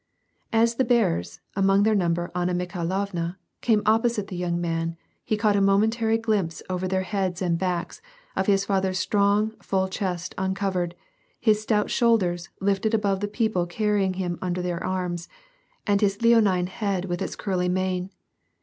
As the bearers, among their number Anna Mikhailovna, came opposite the young man he caught a momentary glimpse over their heads and backs, of his father's strong, full chest uncovered, his stout shoulders, lifted above the people carry ing him under their arms, and his leonine head with its curly mane.